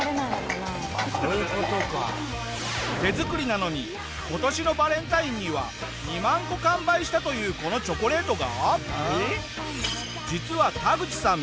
手作りなのに今年のバレンタインには２万個完売したというこのチョコレートが実はタグチさん